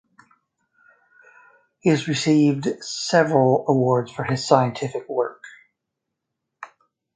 He has received several awards for his scientific work.